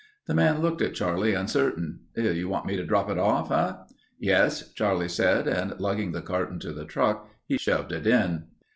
The man looked at Charlie, uncertain. "You want me to drop it off, huh?" "Yes," Charlie said and lugging the carton to the truck, he shoved it in.